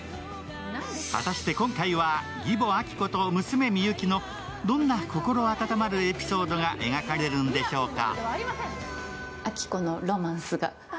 果たして今回は、義母・亜希子と娘・みゆきのどんな心温まるエピソードが描かれるんでしょうか。